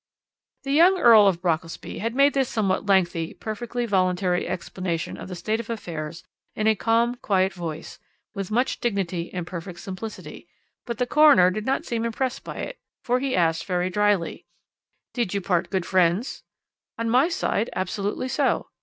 "The young Earl of Brockelsby had made this somewhat lengthy, perfectly voluntary explanation of the state of affairs in a calm, quiet voice, with much dignity and perfect simplicity, but the coroner did not seem impressed by it, for he asked very drily: "'Did you part good friends?' "'On my side absolutely so.'